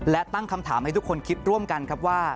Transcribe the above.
และตั้งคำถามให้ทุกคนคิดร่วมกันครับว่า